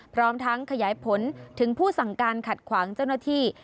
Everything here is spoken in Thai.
พร้อมทั้งขยายผลถึงผู้สั่งการขัดขวางเจ้าหน้าที่